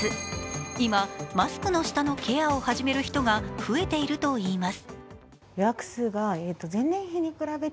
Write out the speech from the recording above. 今、マスクの下のケアを始める人が増えているといいます。